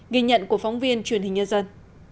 ghi nhận của phóng viên truyền hình nhân dân